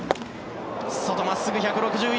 外、真っすぐ、１６１ｋｍ。